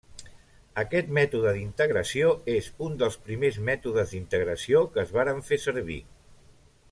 Aquest mètode d'integració és un dels primers mètodes d'integració que es varen fer servir.